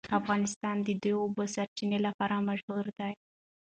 افغانستان د د اوبو سرچینې لپاره مشهور دی.